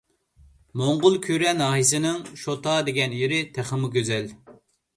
موڭغۇلكۈرە ناھىيەسىنىڭ شوتا دېگەن يېرى تېخىمۇ گۈزەل.